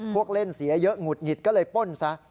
พวกเล่นเสียเยอะหงุดหงิดก็เลยป้นซะ